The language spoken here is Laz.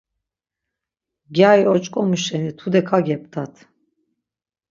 Gyari oç̌ǩomu şeni tude kageptat.